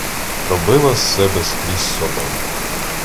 Робила з себе скрізь содом.